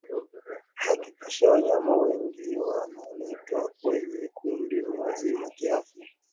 Hakikisha wanyama wageni wanaoletwa kwenye kundi ni wazima kiafya